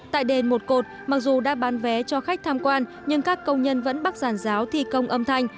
tại đền một cột mặc dù đã bán vé cho khách tham quan nhưng các công nhân vẫn bắt giàn giáo thi công âm thanh